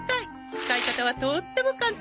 使い方はとっても簡単！